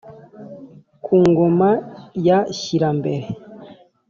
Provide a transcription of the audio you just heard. ku ngoma ya shyirambere